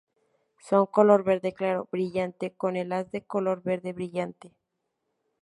Son color verde claro brillante con el haz de color verde brillante.